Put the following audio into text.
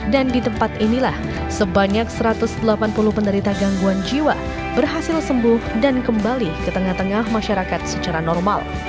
dan di tempat inilah sebanyak satu ratus delapan puluh penderita gangguan jiwa berhasil sembuh dan kembali ke tengah tengah masyarakat secara normal